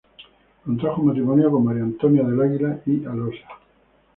Contrajo matrimonio con María Antonia del Águila y Alosa.